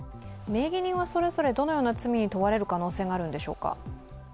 名義人はそれぞれどのような罪に問われる可能性があるんでしょうか？